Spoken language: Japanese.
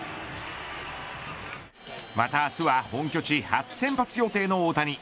また、明日は本拠地初先発予定の大谷。